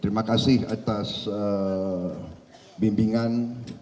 terima kasih atas bimbingan